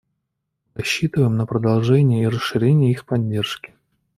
Мы рассчитываем на продолжение и расширение их поддержки.